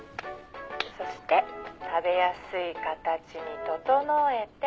「そして食べやすい形に整えて」